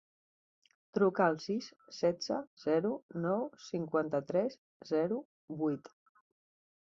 Truca al sis, setze, zero, nou, cinquanta-tres, zero, vuit.